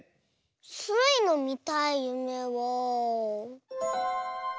スイのみたいゆめは。